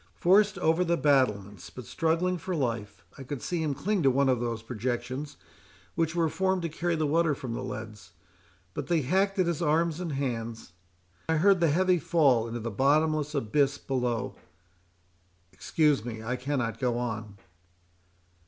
—Forced over the battlements, but struggling for life, I could see him cling to one of those projections which were formed to carry the water from the leads, but they hacked at his arms and hands. I heard the heavy fall into the bottomless abyss below. Excuse me—I cannot go on."